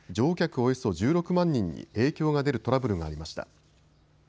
およそ１６万人に影響が出るトラブルがありました。